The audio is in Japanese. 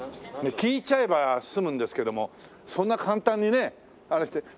聞いちゃえば済むんですけどもそんな簡単にねあれして。